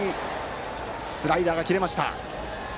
スライダーが切れました。